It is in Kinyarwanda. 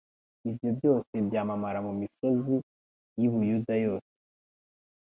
ibyo byose byamamara mu misozi y'i Buyuda yose.